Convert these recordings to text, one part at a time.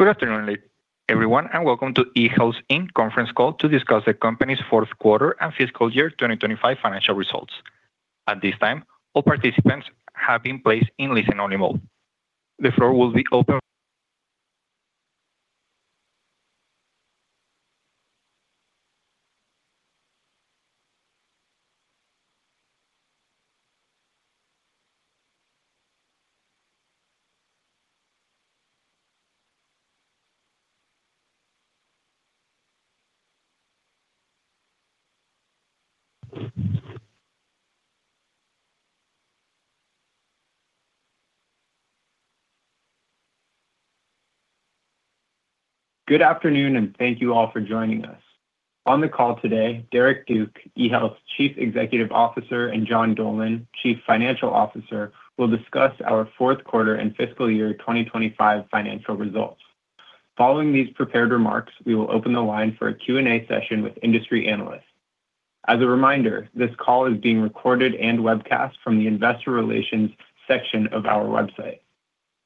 Good afternoon, everyone, welcome to eHealth, Inc. conference call to discuss the company's Q4 and fiscal year 2025 financial results. At this time, all participants have been placed in listen-only mode. The floor will be open. Good afternoon, and thank you all for joining us. On the call today, Derrick Duke, eHealth's Chief Executive Officer, and John Dolan, Chief Financial Officer, will discuss our Q4 and fiscal year 2025 financial results. Following these prepared remarks, we will open the line for a Q&A session with industry analysts. As a reminder, this call is being recorded and webcast from the Investor Relations section of our website.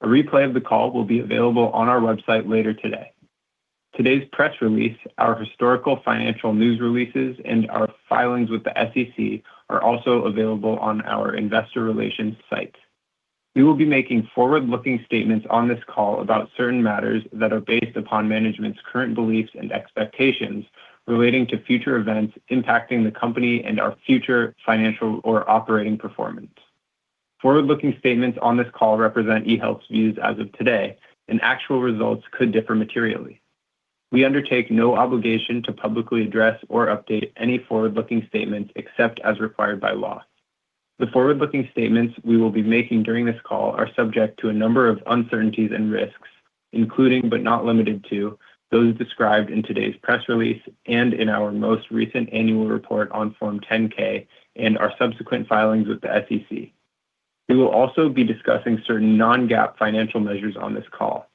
A replay of the call will be available on our website later today. Today's press release, our historical financial news releases, and our filings with the SEC are also available on our investor relations site. We will be making forward-looking statements on this call about certain matters that are based upon management's current beliefs and expectations relating to future events impacting the company and our future financial or operating performance. Forward-looking statements on this call represent eHealth's views as of today, and actual results could differ materially. We undertake no obligation to publicly address or update any forward-looking statements except as required by law. The forward-looking statements we will be making during this call are subject to a number of uncertainties and risks, including, but not limited to, those described in today's press release and in our most recent annual report on Form 10-K and our subsequent filings with the SEC. We will also be discussing certain non-GAAP financial measures on this call.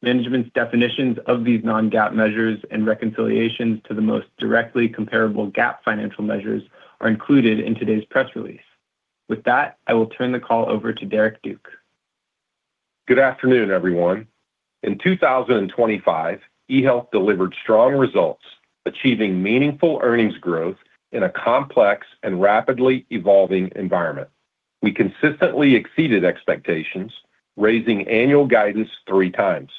Management's definitions of these non-GAAP measures and reconciliations to the most directly comparable GAAP financial measures are included in today's press release. With that, I will turn the call over to Derrick Duke. Good afternoon, everyone. In 2025, eHealth delivered strong results, achieving meaningful earnings growth in a complex and rapidly evolving environment. We consistently exceeded expectations, raising annual guidance three times.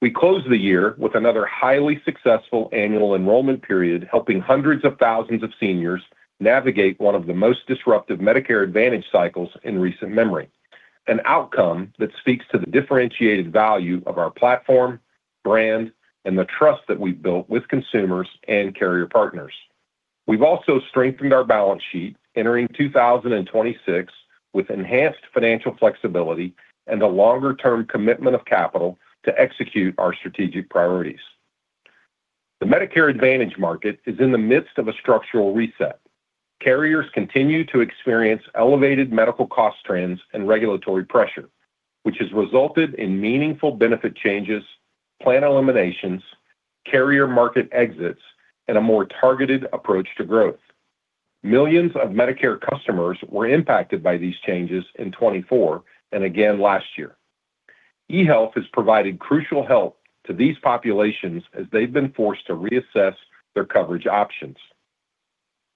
We closed the year with another highly successful annual enrollment period, helping hundreds of thousands of seniors navigate one of the most disruptive Medicare Advantage cycles in recent memory, an outcome that speaks to the differentiated value of our platform, brand, and the trust that we've built with consumers and carrier partners. We've also strengthened our balance sheet, entering 2026 with enhanced financial flexibility and a longer-term commitment of capital to execute our strategic priorities. The Medicare Advantage market is in the midst of a structural reset. Carriers continue to experience elevated medical cost trends and regulatory pressure, which has resulted in meaningful benefit changes, plan eliminations, carrier market exits, and a more targeted approach to growth. Millions of Medicare customers were impacted by these changes in 2024 and again last year. eHealth has provided crucial help to these populations as they've been forced to reassess their coverage options.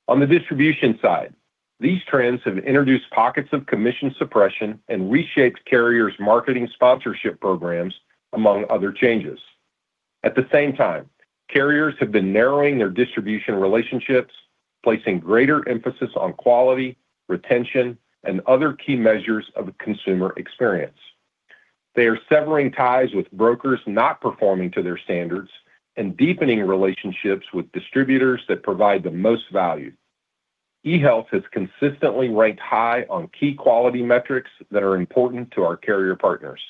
On the distribution side, these trends have introduced pockets of commission suppression and reshaped carriers' marketing sponsorship programs, among other changes. At the same time, carriers have been narrowing their distribution relationships, placing greater emphasis on quality, retention, and other key measures of consumer experience. They are severing ties with brokers not performing to their standards and deepening relationships with distributors that provide the most value. eHealth has consistently ranked high on key quality metrics that are important to our carrier partners.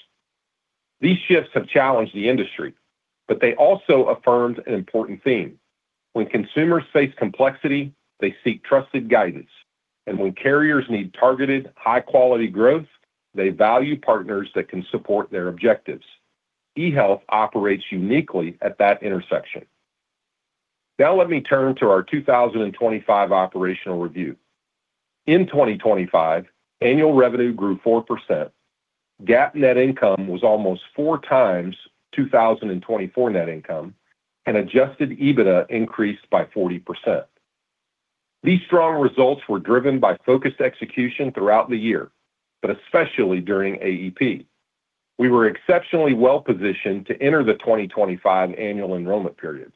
These shifts have challenged the industry, but they also affirmed an important theme: When consumers face complexity, they seek trusted guidance, and when carriers need targeted, high-quality growth, they value partners that can support their objectives. eHealth operates uniquely at that intersection. Let me turn to our 2025 operational review. In 2025, annual revenue grew 4%. GAAP net income was almost 4 times 2024 net income, Adjusted EBITDA increased by 40%. These strong results were driven by focused execution throughout the year, but especially during AEP. We were exceptionally well-positioned to enter the 2025 annual enrollment period.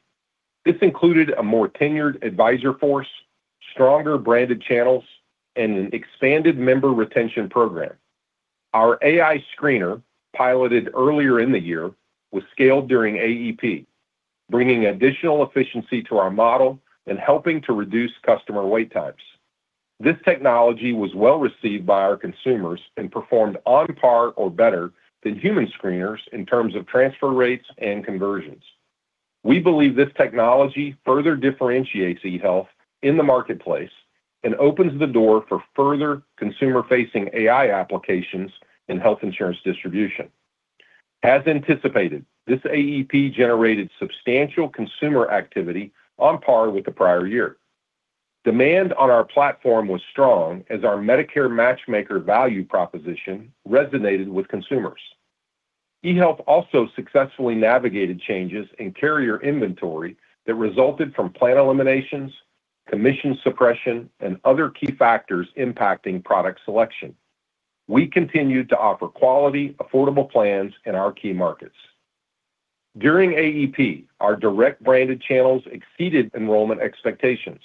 This included a more tenured advisor force, stronger branded channels, and an expanded member retention program. Our AI screener, piloted earlier in the year, was scaled during AEP, bringing additional efficiency to our model and helping to reduce customer wait times. This technology was well-received by our consumers and performed on par or better than human screeners in terms of transfer rates and conversions. We believe this technology further differentiates eHealth in the marketplace and opens the door for further consumer-facing AI applications in health insurance distribution. As anticipated, this AEP generated substantial consumer activity on par with the prior year. Demand on our platform was strong as our Medicare Matchmaker value proposition resonated with consumers. eHealth also successfully navigated changes in carrier inventory that resulted from plan eliminations, commission suppression, and other key factors impacting product selection. We continued to offer quality, affordable plans in our key markets. During AEP, our direct branded channels exceeded enrollment expectations.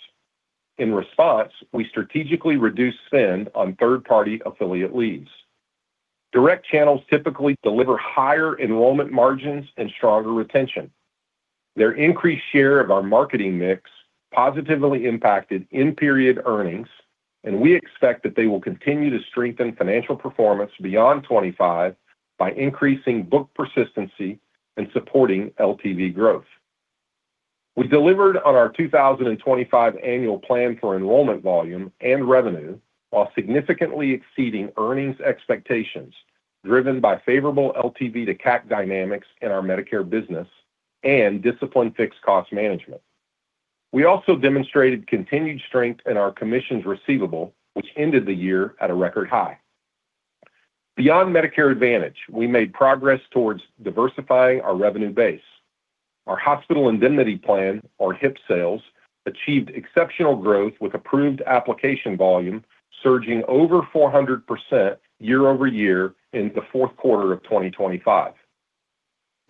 In response, we strategically reduced spend on third-party affiliate leads. Direct channels typically deliver higher enrollment margins and stronger retention. Their increased share of our marketing mix positively impacted in-period earnings. We expect that they will continue to strengthen financial performance beyond 25 by increasing book persistency and supporting LTV growth. We delivered on our 2025 annual plan for enrollment volume and revenue, while significantly exceeding earnings expectations, driven by favorable LTV to CAC dynamics in our Medicare business and disciplined fixed cost management. We also demonstrated continued strength in our commissions receivable, which ended the year at a record high. Beyond Medicare Advantage, we made progress towards diversifying our revenue base. Our hospital indemnity plan, or HIP sales, achieved exceptional growth, with approved application volume surging over 400% year-over-year in the Q4 of 2025.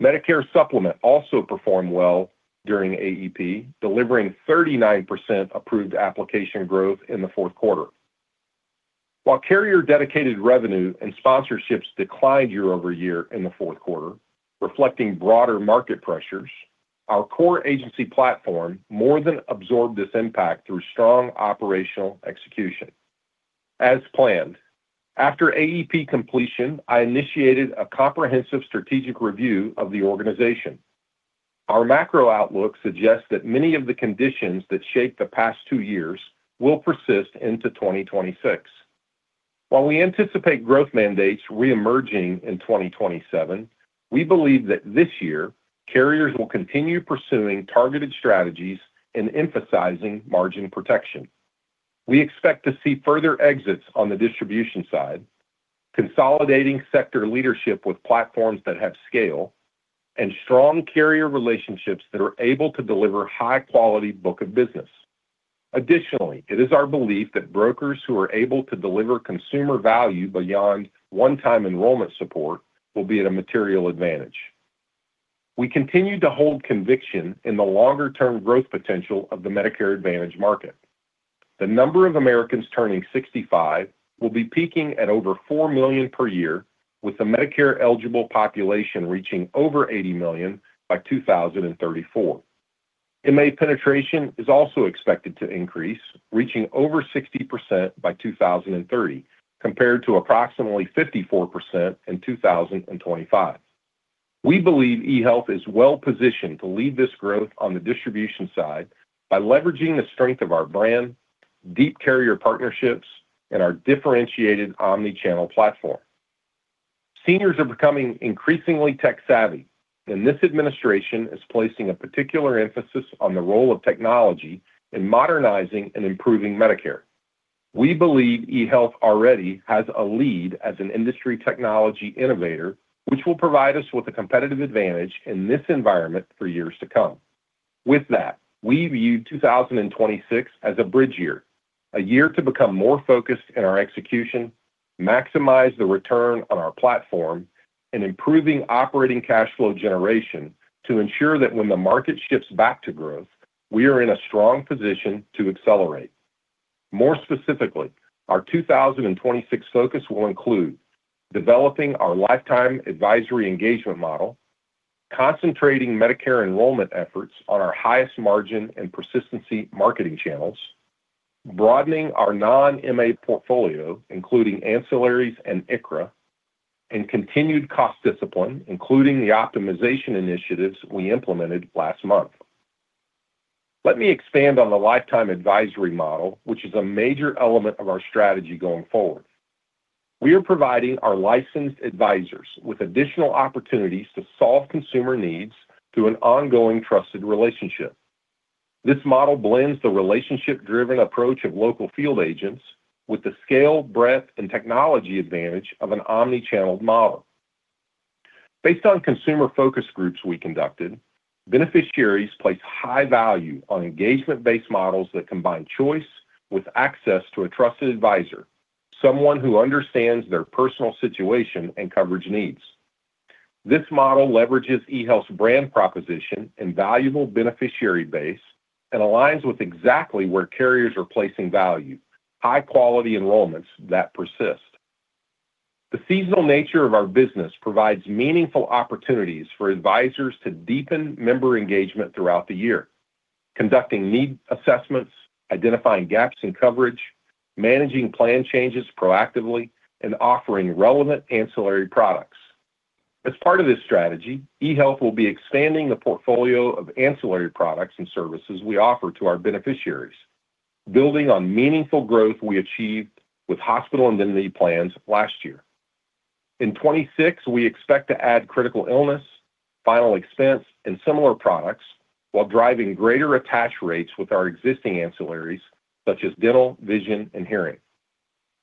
Medicare Supplement also performed well during AEP, delivering 39% approved application growth in the Q4. While carrier-dedicated revenue and sponsorships declined year-over-year in the Q4, reflecting broader market pressures, our core agency platform more than absorbed this impact through strong operational execution. As planned, after AEP completion, I initiated a comprehensive strategic review of the organization. Our macro outlook suggests that many of the conditions that shaped the past two years will persist into 2026. While we anticipate growth mandates reemerging in 2027, we believe that this year, carriers will continue pursuing targeted strategies and emphasizing margin protection. We expect to see further exits on the distribution side, consolidating sector leadership with platforms that have scale and strong carrier relationships that are able to deliver high-quality book of business. Additionally, it is our belief that brokers who are able to deliver consumer value beyond one-time enrollment support will be at a material advantage. We continue to hold conviction in the longer-term growth potential of the Medicare Advantage market. The number of Americans turning 65 will be peaking at over 4 million per year, with the Medicare-eligible population reaching over 80 million by 2034. MA penetration is also expected to increase, reaching over 60% by 2030, compared to approximately 54% in 2025. We believe eHealth is well positioned to lead this growth on the distribution side by leveraging the strength of our brand, deep carrier partnerships, and our differentiated omnichannel platform. Seniors are becoming increasingly tech-savvy, this administration is placing a particular emphasis on the role of technology in modernizing and improving Medicare. We believe eHealth already has a lead as an industry technology innovator, which will provide us with a competitive advantage in this environment for years to come. With that, we view 2026 as a bridge year, a year to become more focused in our execution, maximize the return on our platform, and improving operating cash flow generation to ensure that when the market shifts back to growth, we are in a strong position to accelerate. More specifically, our 2026 focus will include: developing our lifetime advisory engagement model, concentrating Medicare enrollment efforts on our highest margin and persistency marketing channels, broadening our non-MA portfolio, including ancillaries and ICHRA, and continued cost discipline, including the optimization initiatives we implemented last month. Let me expand on the lifetime advisory model, which is a major element of our strategy going forward. We are providing our licensed advisors with additional opportunities to solve consumer needs through an ongoing trusted relationship. This model blends the relationship-driven approach of local field agents with the scale, breadth, and technology advantage of an omnichannel model. Based on consumer focus groups we conducted, beneficiaries place high value on engagement-based models that combine choice with access to a trusted advisor, someone who understands their personal situation and coverage needs. This model leverages eHealth's brand proposition and valuable beneficiary base and aligns with exactly where carriers are placing value, high-quality enrollments that persist. The seasonal nature of our business provides meaningful opportunities for advisors to deepen member engagement throughout the year, conducting need assessments, identifying gaps in coverage, managing plan changes proactively, and offering relevant ancillary products. As part of this strategy, eHealth will be expanding the portfolio of ancillary products and services we offer to our beneficiaries, building on meaningful growth we achieved with hospital indemnity plans last year. In 26, we expect to add critical illness, final expense, and similar products while driving greater attach rates with our existing ancillaries, such as dental, vision, and hearing.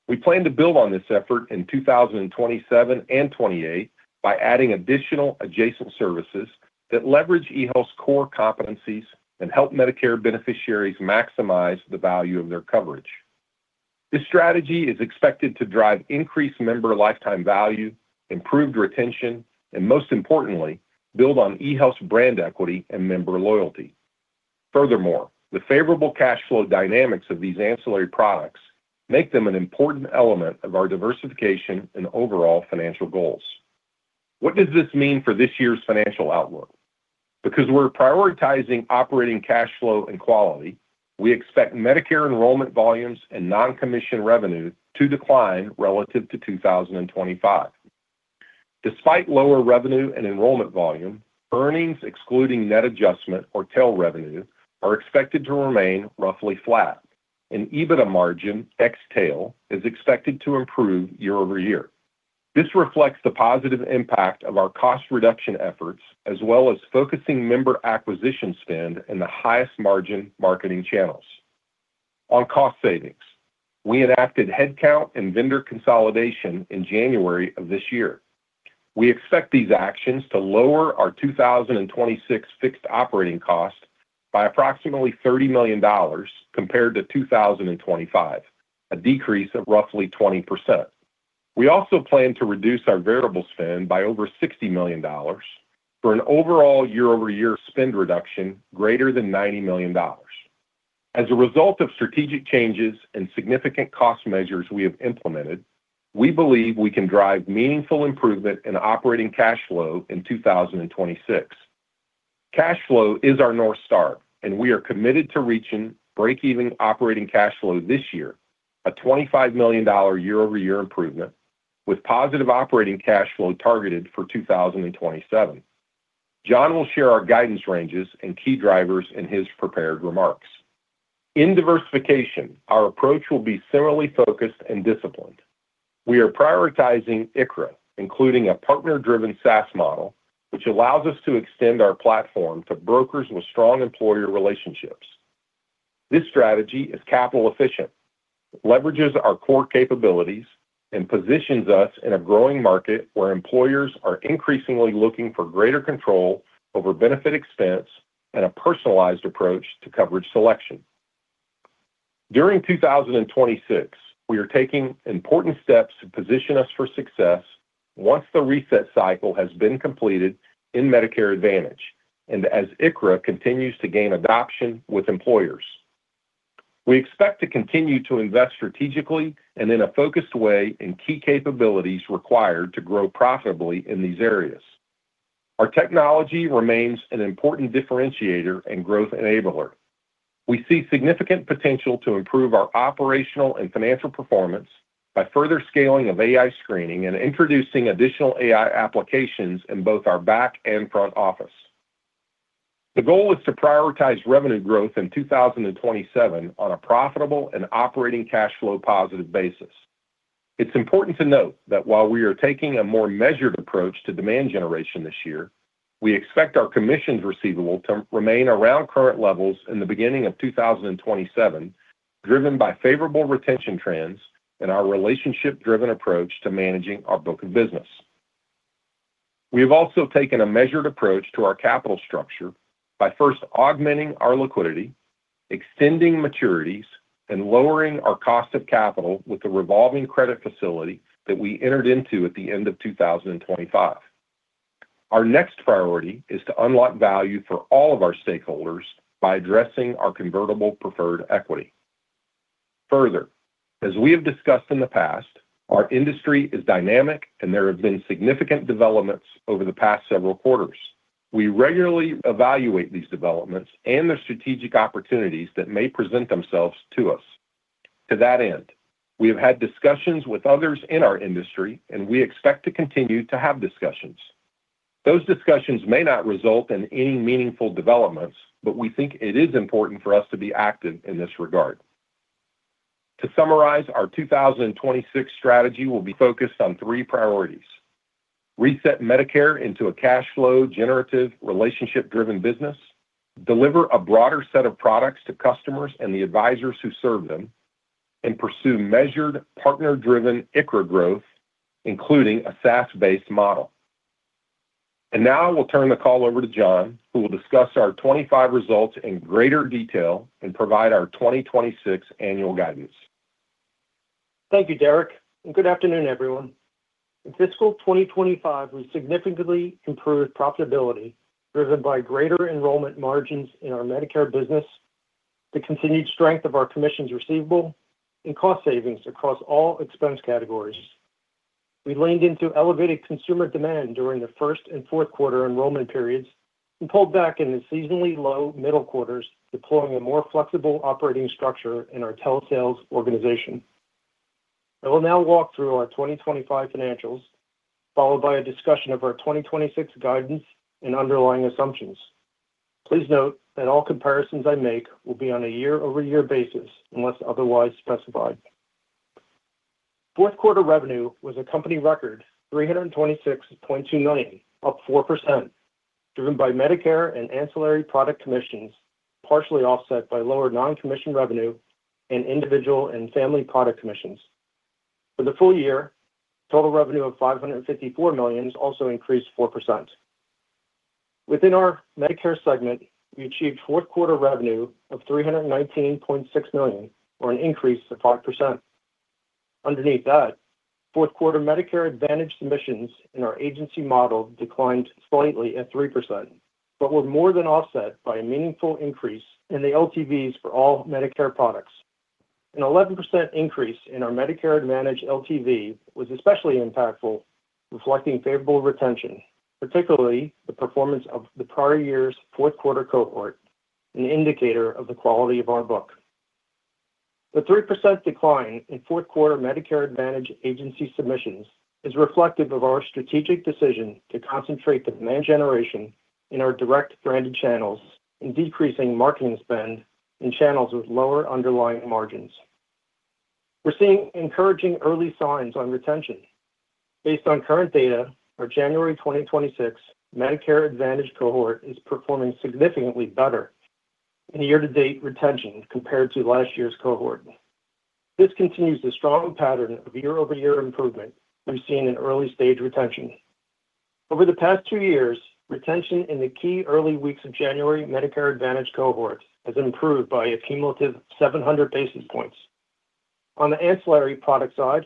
We plan to build on this effort in 2027 and 2028 by adding additional adjacent services that leverage eHealth's core competencies and help Medicare beneficiaries maximize the value of their coverage. This strategy is expected to drive increased member lifetime value, improved retention, and most importantly, build on eHealth's brand equity and member loyalty. The favorable cash flow dynamics of these ancillary products make them an important element of our diversification and overall financial goals. What does this mean for this year's financial outlook? We're prioritizing operating cash flow and quality, we expect Medicare enrollment volumes and non-commission revenues to decline relative to 2025. Despite lower revenue and enrollment volume, earnings excluding net adjustment or tail revenue are expected to remain roughly flat, and EBITDA margin ex tail is expected to improve year-over-year. This reflects the positive impact of our cost reduction efforts, as well as focusing member acquisition spend in the highest margin marketing channels. On cost savings, we enacted headcount and vendor consolidation in January of this year. We expect these actions to lower our 2026 fixed operating costs by approximately $30 million compared to 2025, a decrease of roughly 20%. We also plan to reduce our variable spend by over $60 million, for an overall year-over-year spend reduction greater than $90 million. As a result of strategic changes and significant cost measures we have implemented, we believe we can drive meaningful improvement in operating cash flow in 2026. Cash flow is our North Star, and we are committed to reaching break-even operating cash flow this year, a $25 million year-over-year improvement, with positive operating cash flow targeted for 2027. John will share our guidance ranges and key drivers in his prepared remarks. In diversification, our approach will be similarly focused and disciplined. We are prioritizing ICHRA, including a partner-driven SaaS model, which allows us to extend our platform to brokers with strong employer relationships. This strategy is capital efficient, leverages our core capabilities, and positions us in a growing market where employers are increasingly looking for greater control over benefit expense and a personalized approach to coverage selection. During 2026, we are taking important steps to position us for success once the reset cycle has been completed in Medicare Advantage, and as ICHRA continues to gain adoption with employers. We expect to continue to invest strategically and in a focused way in key capabilities required to grow profitably in these areas. Our technology remains an important differentiator and growth enabler. We see significant potential to improve our operational and financial performance by further scaling of AI screening and introducing additional AI applications in both our back and front office. The goal is to prioritize revenue growth in 2027 on a profitable and operating cash flow positive basis. It's important to note that while we are taking a more measured approach to demand generation this year, we expect our commissions receivable to remain around current levels in the beginning of 2027, driven by favorable retention trends and our relationship-driven approach to managing our book of business. We have also taken a measured approach to our capital structure by first augmenting our liquidity, extending maturities, and lowering our cost of capital with the revolving credit facility that we entered into at the end of 2025. Our next priority is to unlock value for all of our stakeholders by addressing our convertible preferred equity. Further, as we have discussed in the past, our industry is dynamic, and there have been significant developments over the past several quarters. We regularly evaluate these developments and the strategic opportunities that may present themselves to us. To that end, we have had discussions with others in our industry, and we expect to continue to have discussions. Those discussions may not result in any meaningful developments, but we think it is important for us to be active in this regard. To summarize, our 2026 strategy will be focused on three priorities: reset Medicare into a cash flow, generative, relationship-driven business, deliver a broader set of products to customers and the advisors who serve them, and pursue measured, partner-driven ICHRA growth, including a SaaS-based model. Now I will turn the call over to John, who will discuss our 25 results in greater detail and provide our 2026 annual guidance. Thank you, Derrick, and good afternoon, everyone. In fiscal 2025, we significantly improved profitability, driven by greater enrollment margins in our Medicare business, the continued strength of our commissions receivable, and cost savings across all expense categories. We leaned into elevated consumer demand during the first and Q4 enrollment periods and pulled back in the seasonally low middle quarters, deploying a more flexible operating structure in our telesales organization. I will now walk through our 2025 financials, followed by a discussion of our 2026 guidance and underlying assumptions. Please note that all comparisons I make will be on a year-over-year basis, unless otherwise specified. Q4 revenue was a company record, $326.2 million, up 4%, driven by Medicare and ancillary product commissions, partially offset by lower non-commission revenue and individual and family product commissions. For the full year, total revenue of $554 million also increased 4%. Within our Medicare segment, we achieved Q4 revenue of $319.6 million, or an increase of 5%. Underneath that, Q4 Medicare Advantage submissions in our agency model declined slightly at 3%, but were more than offset by a meaningful increase in the LTVs for all Medicare products. An 11% increase in our Medicare Advantage LTV was especially impactful, reflecting favorable retention, particularly the performance of the prior year's Q4 cohort, an indicator of the quality of our book. The 3% decline in Q4 Medicare Advantage agency submissions is reflective of our strategic decision to concentrate the demand generation in our direct branded channels and decreasing marketing spend in channels with lower underlying margins. We're seeing encouraging early signs on retention. Based on current data, our January 2026 Medicare Advantage cohort is performing significantly better in year-to-date retention compared to last year's cohort. This continues the strong pattern of year-over-year improvement we've seen in early-stage retention. Over the past two years, retention in the key early weeks of January Medicare Advantage cohorts has improved by a cumulative 700 basis points. On the ancillary product side,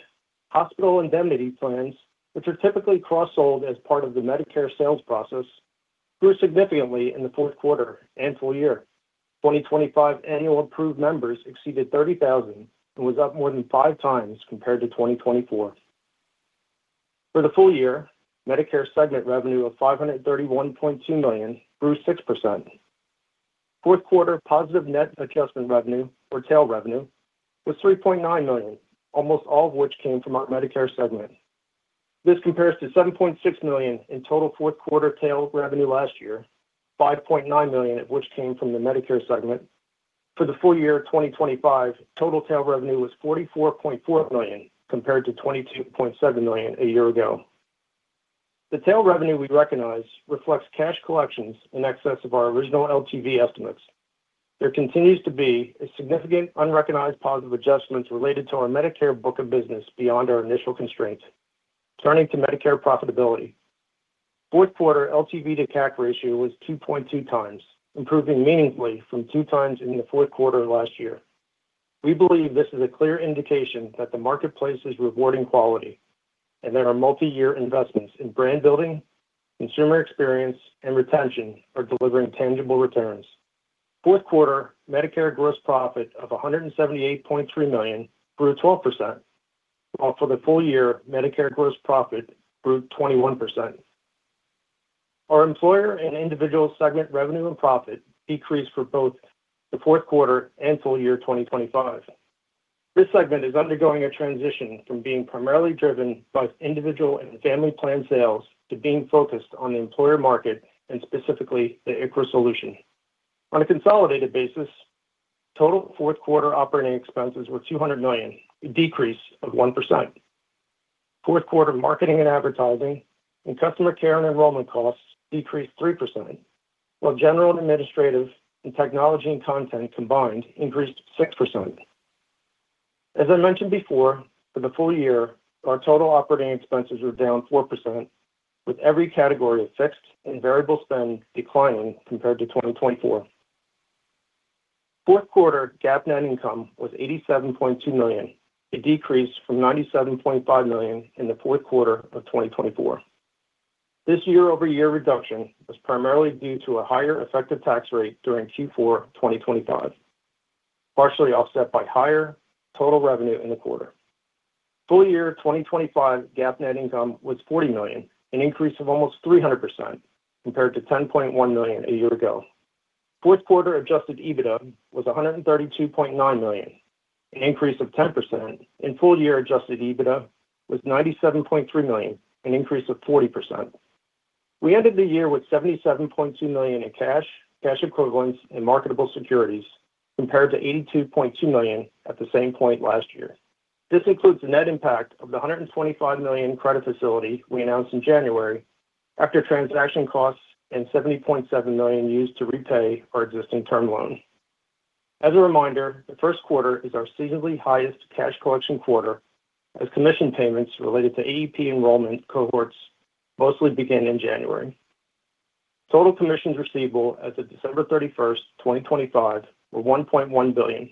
Hospital Indemnity plans, which are typically cross-sold as part of the Medicare sales process, grew significantly in the Q4 and full year. 2025 annual approved members exceeded 30,000 and was up more than 5 times compared to 2024. For the full year, Medicare segment revenue of $531.2 million grew 6%. Q4 positive net adjustment revenue, or tail revenue, was $3.9 million, almost all of which came from our Medicare segment. This compares to $7.6 million in total Q4 tail revenue last year, $5.9 million of which came from the Medicare segment. For the full year of 2025, total tail revenue was $44.4 million, compared to $22.7 million a year ago. The tail revenue we recognize reflects cash collections in excess of our original LTV estimates. There continues to be a significant unrecognized positive adjustments related to our Medicare book of business beyond our initial constraints. Turning to Medicare profitability. Q4 LTV to CAC ratio was 2.2x, improving meaningfully from 2x in the Q4 last year. We believe this is a clear indication that the marketplace is rewarding quality, and that our multi-year investments in brand building, consumer experience, and retention are delivering tangible returns. Q4, Medicare gross profit of $178.3 million grew 12%, while for the full year, Medicare gross profit grew 21%. Our employer and individual segment revenue and profit decreased for both the Q4 and full year 2025. This segment is undergoing a transition from being primarily driven by individual and family plan sales to being focused on the employer market and specifically the ICHRA solution. On a consolidated basis, total Q4 operating expenses were $200 million, a decrease of 1%. Q4 marketing and advertising and customer care and enrollment costs decreased 3%, while general and administrative and technology and content combined increased 6%. As I mentioned before, for the full year, our total operating expenses were down 4%, with every category of fixed and variable spend declining compared to 2024. Q4 GAAP net income was $87.2 million, a decrease from $97.5 million in the Q4 of 2024. This year-over-year reduction was primarily due to a higher effective tax rate during Q4 2025, partially offset by higher total revenue in the quarter. Full-year 2025 GAAP net income was $40 million, an increase of almost 300% compared to $10.1 million a year ago. Q4 Adjusted EBITDA was $132.9 million, an increase of 10%, and full-year Adjusted EBITDA was $97.3 million, an increase of 40%. We ended the year with $77.2 million in cash equivalents, and marketable securities, compared to $82.2 million at the same point last year. This includes the net impact of the $125 million credit facility we announced in January, after transaction costs and $70.7 million used to repay our existing term loan. As a reminder, the Q1 is our seasonally highest cash collection quarter, as commission payments related to AEP enrollment cohorts mostly begin in January. Total commissions receivable as of December 31, 2025, were $1.1 billion,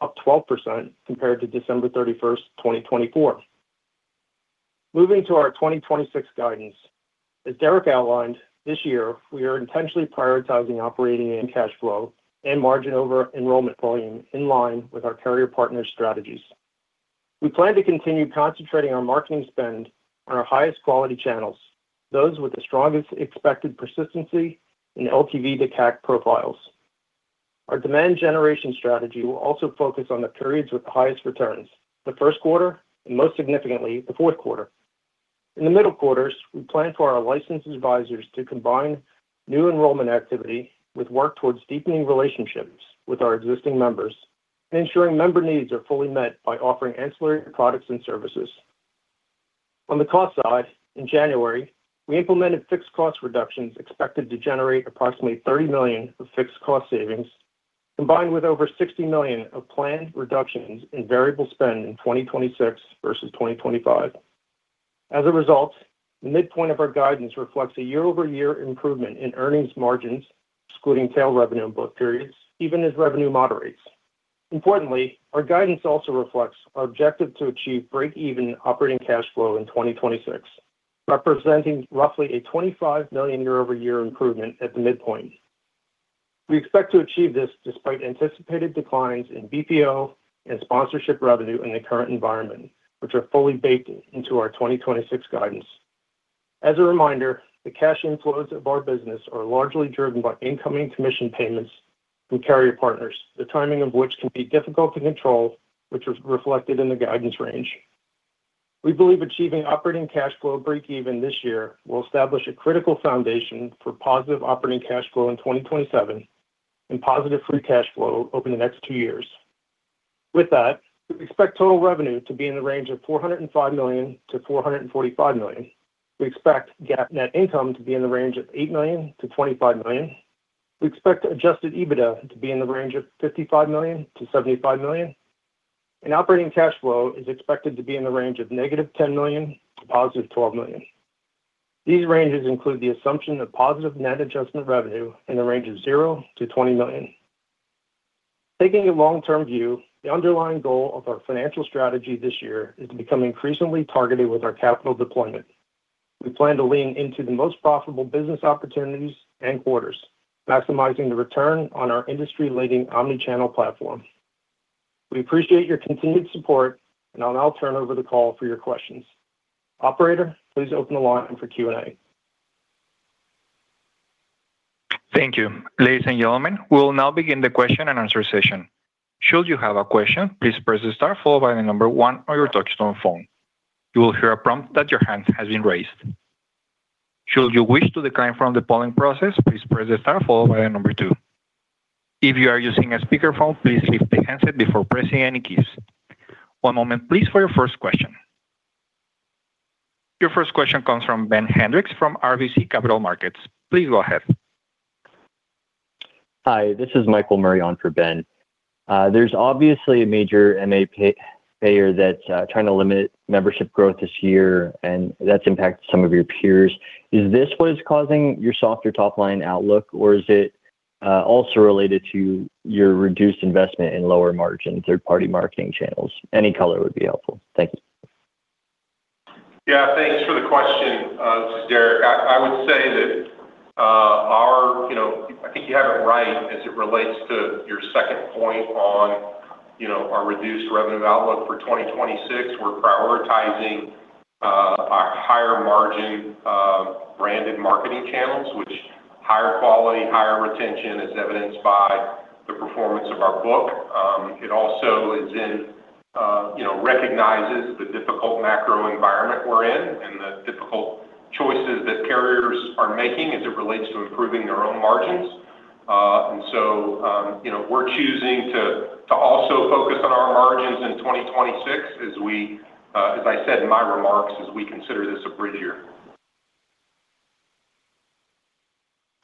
up 12% compared to December 31, 2024. Moving to our 2026 guidance. As Derrick outlined, this year, we are intentionally prioritizing operating and cash flow and margin over enrollment volume in line with our carrier partner strategies. We plan to continue concentrating our marketing spend on our highest quality channels, those with the strongest expected persistency and LTV to CAC profiles. Our demand generation strategy will also focus on the periods with the highest returns, the Q1, and most significantly, the Q4. In the middle quarters, we plan for our licensed advisors to combine new enrollment activity with work towards deepening relationships with our existing members and ensuring member needs are fully met by offering ancillary products and services. On the cost side, in January, we implemented fixed cost reductions expected to generate approximately $30 million of fixed cost savings, combined with over $60 million of planned reductions in variable spend in 2026 versus 2025. The midpoint of our guidance reflects a year-over-year improvement in earnings margins, excluding tail revenue in both periods, even as revenue moderates. Importantly, our guidance also reflects our objective to achieve break-even operating cash flow in 2026, representing roughly a $25 million year-over-year improvement at the midpoint. We expect to achieve this despite anticipated declines in BPO and sponsorship revenue in the current environment, which are fully baked into our 2026 guidance. As a reminder, the cash inflows of our business are largely driven by incoming commission payments from carrier partners, the timing of which can be difficult to control, which is reflected in the guidance range. We believe achieving operating cash flow break even this year will establish a critical foundation for positive operating cash flow in 2027 and positive free cash flow over the next two years. With that, we expect total revenue to be in the range of $405 million-$445 million. We expect GAAP net income to be in the range of $8 million-$25 million. We expect Adjusted EBITDA to be in the range of $55 million-$75 million, and operating cash flow is expected to be in the range of -$10 million to +$12 million. These ranges include the assumption of positive net adjustment revenue in the range of $0-$20 million. Taking a long-term view, the underlying goal of our financial strategy this year is to become increasingly targeted with our capital deployment. We plan to lean into the most profitable business opportunities and quarters, maximizing the return on our industry-leading omnichannel platform. We appreciate your continued support, and I'll now turn over the call for your questions. Operator, please open the line for Q&A. Thank you. Ladies and gentlemen, we will now begin the question-and-answer session. Should you have a question, please press star one on your touchtone phone. You will hear a prompt that your hand has been raised. Should you wish to decline from the polling process, please press star two. If you are using a speakerphone, please lift the handset before pressing any keys. One moment, please, for your first question. Your first question comes from Ben Hendrix from RBC Capital Markets. Please go ahead. Hi, this is Michael Murray on for Ben. There's obviously a major MA payer that's trying to limit membership growth this year, and that's impacted some of your peers. Is this what is causing your softer top-line outlook, or is it also related to your reduced investment in lower-margin third-party marketing channels? Any color would be helpful. Thank you. Thanks for the question, Derrick. I would say that our, you know, I think you have it right as it relates to your second point on, you know, our reduced revenue outlook for 2026. We're prioritizing our higher margin, branded marketing channels, which higher quality, higher retention, as evidenced by the performance of our book. It also is in, you know, recognizes the difficult macro environment we're in and the difficult choices that carriers are making as it relates to improving their own margins. You know, we're choosing to also focus on our margins in 2026 as we, as I said in my remarks, as we consider this a bridge year.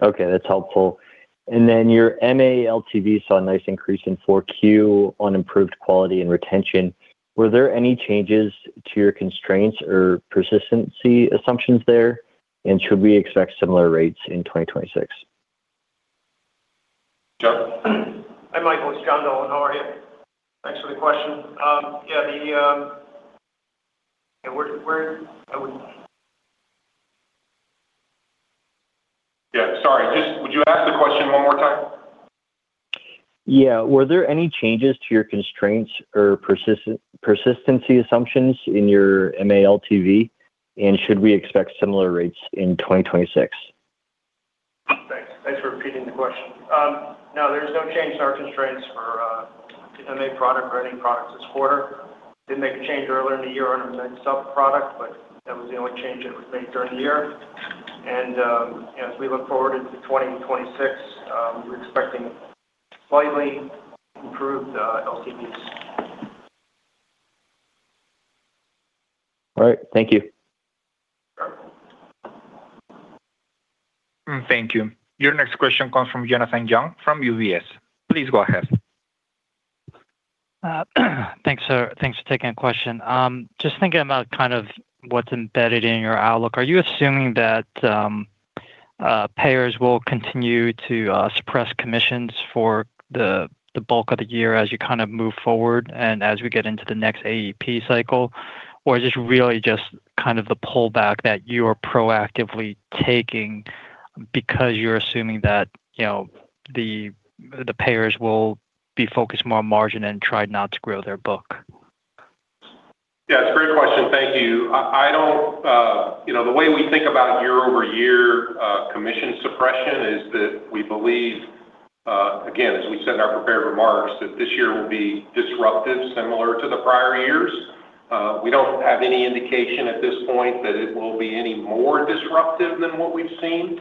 Okay, that's helpful. Your MA LTV saw a nice increase in Q4 on improved quality and retention. Were there any changes to your constraints or persistency assumptions there, and should we expect similar rates in 2026? John? Hi, Michael, it's John Dolan. How are you? Thanks for the question. the... where I would- Yeah, sorry. Just would you ask the question one more time? Yeah. Were there any changes to your constraints or persistency assumptions in your MA LTV, and should we expect similar rates in 2026? Thanks. Thanks for repeating the question. No, there's no change to our constraints for the MA product or any products this quarter. Did make a change earlier in the year on the sub product. That was the only change that was made during the year. You know, as we look forward into 2026, we're expecting slightly improved LTVs. All right. Thank you. Sure. Thank you. Your next question comes from Jonathan Yong from UBS. Please go ahead. Thanks. Thanks for taking the question. Just thinking about what's embedded in your outlook, are you assuming that payers will continue to suppress commissions for the bulk of the year as you move forward and as we get into the next AEP cycle? Or is this really just the pullback that you are proactively taking because you know the payers will be focused more on margin and try not to grow their book? Yeah, it's a great question. Thank you. I don't, you know, the way we think about year-over-year commission suppression is that we believe, again, as we said in our prepared remarks, that this year will be disruptive, similar to the prior years. We don't have any indication at this point that it will be any more disruptive than what we've seen.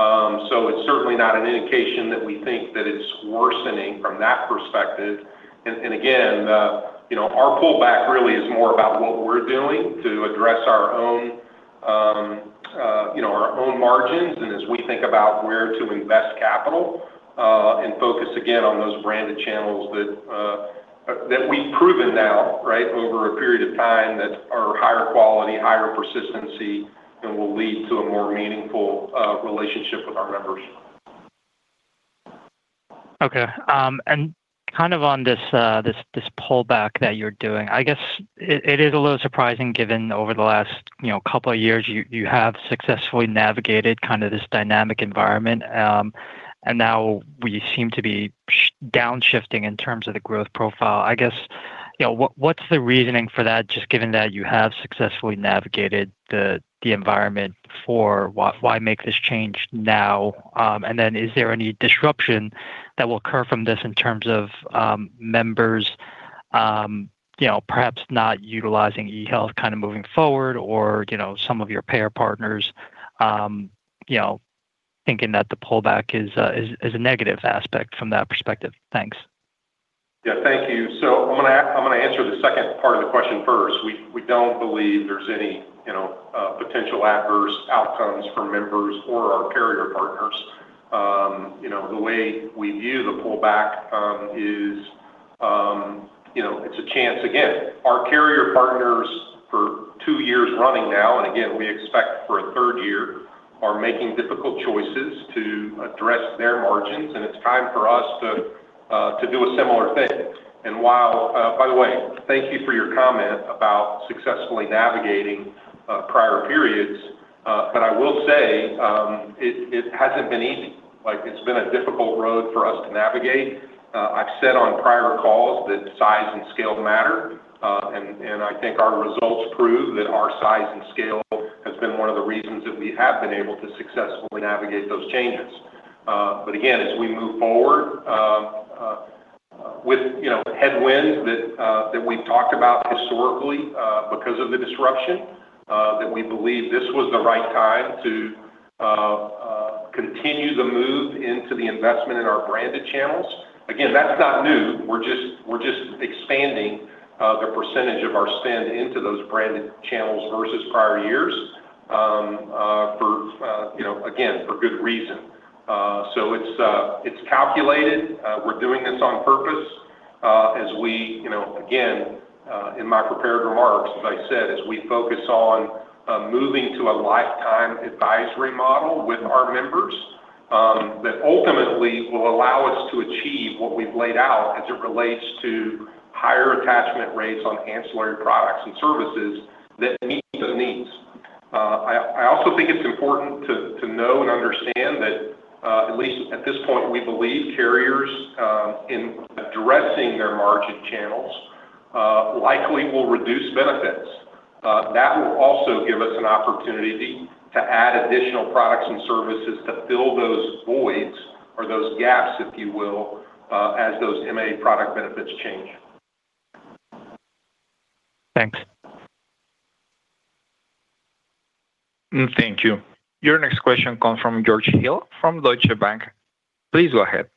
It's certainly not an indication that we think that it's worsening from that perspective. Again, you know, our pullback really is more about what we're doing to address our own, you know, our own margins and as we think about where to invest capital, and focus again on those branded channels that we've proven now, right, over a period of time that are higher quality, higher persistency, and will lead to a more meaningful, relationship with our members. Okay. Kind of on this pullback that you're doing, I guess it is a little surprising given over the last, you know, couple of years, you have successfully navigated kind of this dynamic environment, and now we seem to be downshifting in terms of the growth profile. I guess, you know, what's the reasoning for that, just given that you have successfully navigated the environment before, why make this change now? Then is there any disruption that will occur from this in terms of members, you know, perhaps not utilizing eHealth kind of moving forward, or, you know, some of your payer partners, you know, thinking that the pullback is a negative aspect from that perspective? Thanks. Yeah, thank you. I'm gonna answer the second part of the question first. We don't believe there's any, you know, potential adverse outcomes for members or our carrier partners. You know, the way we view the pullback, is, you know, it's a chance. Again, our carrier partners for 2 years running now, and again, we expect for a third year, are making difficult choices to address their margins, and it's time for us to do a similar thing. While, by the way, thank you for your comment about successfully navigating prior periods, but I will say, it hasn't been easy. Like, it's been a difficult road for us to navigate. I've said on prior calls that size and scale matter, and I think our results prove that our size and scale has been one of the reasons that we have been able to successfully navigate those changes. Again, as we move forward, with, you know, headwinds that we've talked about historically, because of the disruption, that we believe this was the right time to continue the move into the investment in our branded channels. Again, that's not new. We're just expanding the percentage of our spend into those branded channels versus prior years, for, you know, again, for good reason. It's, it's calculated. We're doing this on purpose, as we, you know, again, in my prepared remarks, as I said, as we focus on moving to a lifetime advisory model with our members, that ultimately will allow us to achieve what we've laid out as it relates to higher attachment rates on ancillary products and services that meet those needs. I also think it's important to know and understand that, at least at this point, we believe carriers, in addressing their margin channels, likely will reduce benefits. That will also give us an opportunity to add additional products and services to fill those voids or those gaps, if you will, as those MA product benefits change. Thanks. Thank you. Your next question comes from George Hill, from Deutsche Bank. Please go ahead.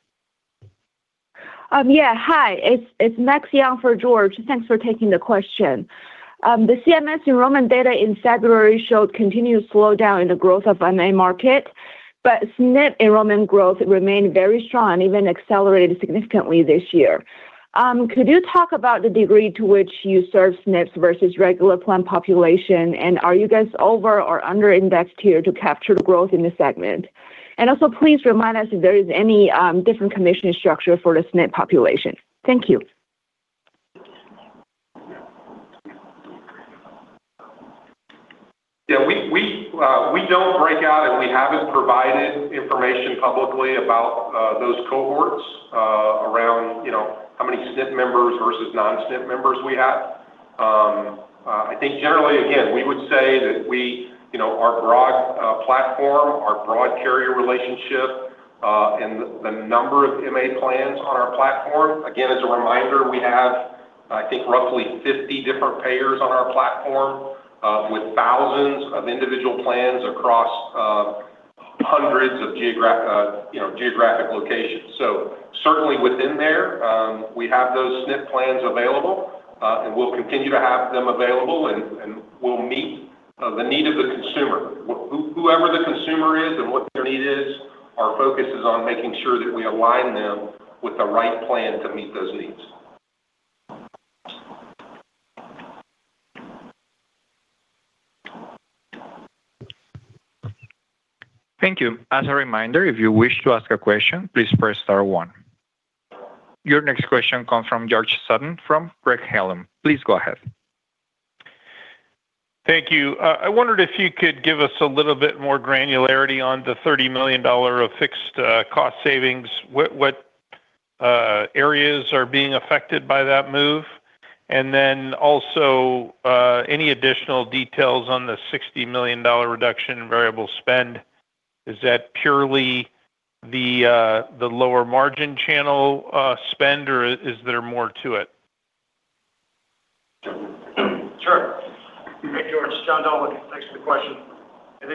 Yeah, hi, it's Max Young for George. Thanks for taking the question. The CMS enrollment data in February showed continued slowdown in the growth of MA market, but SNF enrollment growth remained very strong, even accelerated significantly this year. Could you talk about the degree to which you serve SNFs versus regular plan population, and are you guys over or under indexed here to capture the growth in this segment? Also, please remind us if there is any different commission structure for the SNF population. Thank you. Yeah, we don't break out and we haven't provided information publicly about those cohorts around, you know, how many SNF members versus non-SNF members we have. I think generally, again, we would say that we, you know, our broad platform, our broad carrier relationship, and the number of MA plans on our platform, again, as a reminder, we have, I think, roughly 50 different payers on our platform, with thousands of individual plans across hundreds of geographic locations. Certainly within there, we have those SNF plans available, and we'll continue to have them available, and we'll meet the need of the consumer. Whoever the consumer is and what their need is, our focus is on making sure that we align them with the right plan to meet those needs. Thank you. As a reminder, if you wish to ask a question, please press star one. Your next question comes from George Sutton, from Craig-Hallum. Please go ahead. Thank you. I wondered if you could give us a little bit more granularity on the $30 million of fixed, cost savings. What areas are being affected by that move? Also, any additional details on the $60 million reduction in variable spend, is that purely the lower margin channel, spend, or is there more to it? Sure. Hey, George, John Dolan. Thanks for the question. The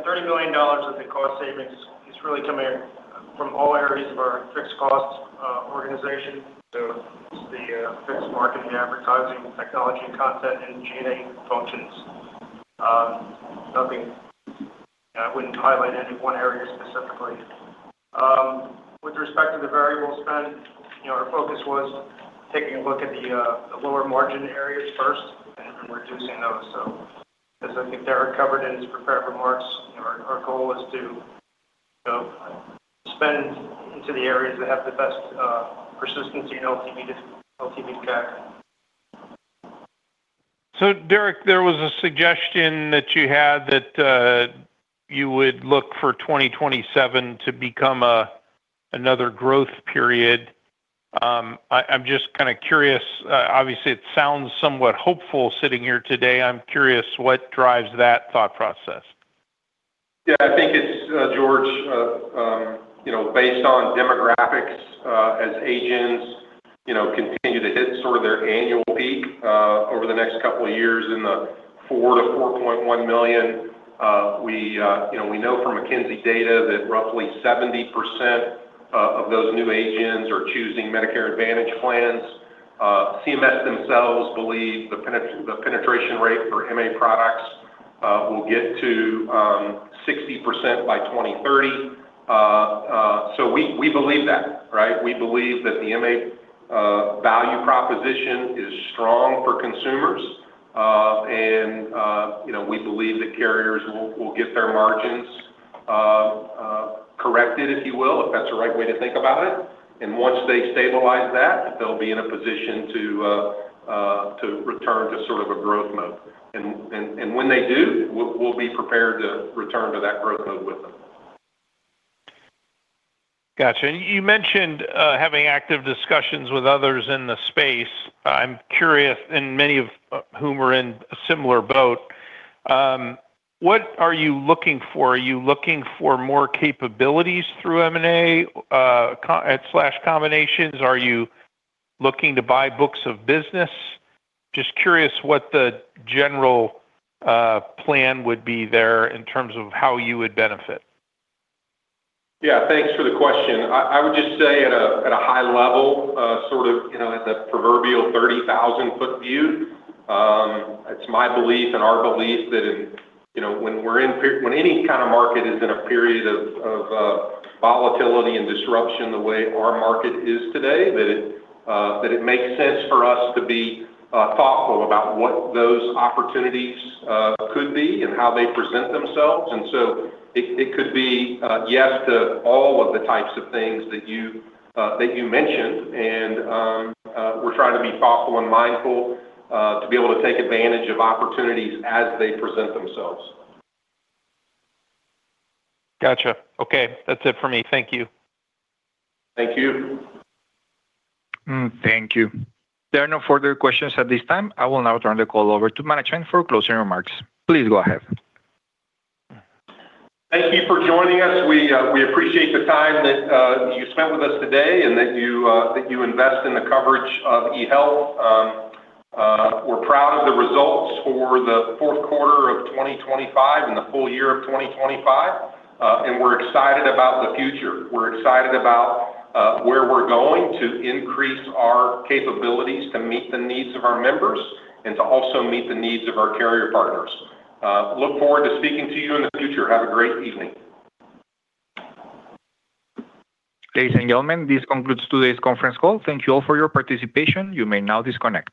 $30 million of the cost savings is really coming from all areas of our fixed cost organization, so it's the fixed marketing, advertising, technology, content, and GA functions. Nothing, I wouldn't highlight any one area specifically. With respect to the variable spend, you know, our focus was taking a look at the lower margin areas first and reducing those. As I think Derrick covered in his prepared remarks, you know, our goal is to, you know, spend into the areas that have the best persistency in LTV to CAC. Derrick, there was a suggestion that you had that you would look for 2027 to become a, another growth period. I'm just kind of curious, obviously it sounds somewhat hopeful sitting here today. I'm curious, what drives that thought process? I think it's George, you know, based on demographics, as agents, you know, continue to hit sort of their annual peak, over the next couple of years in the $4 million-$4.1 million. We, you know, we know from McKinsey data that roughly 70% of those new agents are choosing Medicare Advantage plans. CMS themselves believe the penetration rate for MA products will get to 60% by 2030. We believe that, right? We believe that the MA value proposition is strong for consumers. You know, we believe that carriers will get their margins corrected, if you will, if that's the right way to think about it. Once they stabilize that, they'll be in a position to return to sort of a growth mode. When they do, we'll be prepared to return to that growth mode with them. Gotcha. You mentioned, having active discussions with others in the space. I'm curious, many of whom are in a similar boat, what are you looking for? Are you looking for more capabilities through M&A, combinations? Are you looking to buy books of business? Just curious what the general plan would be there in terms of how you would benefit. Yeah, thanks for the question. I would just say at a high level, sort of, you know, at the proverbial 30,000 foot view, it's my belief and our belief that if, you know, when any kind of market is in a period of volatility and disruption, the way our market is today, that it makes sense for us to be thoughtful about what those opportunities could be and how they present themselves. It could be yes to all of the types of things that you mentioned, and we're trying to be thoughtful and mindful to be able to take advantage of opportunities as they present themselves. Gotcha. Okay. That's it for me. Thank you. Thank you. Thank you. There are no further questions at this time. I will now turn the call over to management for closing remarks. Please go ahead. Thank you for joining us. We appreciate the time that you spent with us today and that you invest in the coverage of eHealth. We're proud of the results for the Q4 of 2025 and the full year of 2025. We're excited about the future. We're excited about where we're going to increase our capabilities to meet the needs of our members and to also meet the needs of our carrier partners. Look forward to speaking to you in the future. Have a great evening. Ladies and gentlemen, this concludes today's conference call. Thank you all for your participation. You may now disconnect.